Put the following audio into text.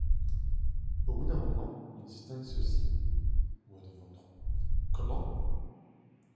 Au bout d’un moment, on distingue ceci : Voix de Ventroux .— Comment ?